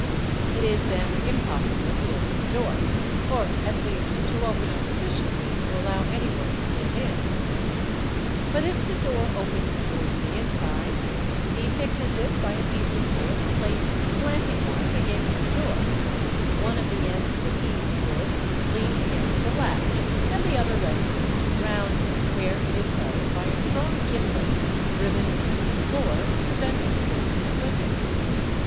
It is then impossible to open the door, or at least to open" it sufficiently to allow any one to get in, Fig. 130. But if the door ' ENTERING BY THE WINDOW 719 '| opens towards the inside, he fixes it by a piece of wood placed slanting : wise against the door; one ofthe ends of the piece of wood leans against _ the latch and the other rests upon the ground where it is held by a strong gimlet driven into the floor, preventing the wood from slipping.